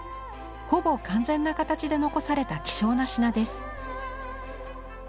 ほぼ完全な形で残された希少な品です。